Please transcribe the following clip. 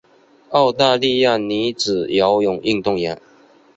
澳大利亚女子游泳运动员。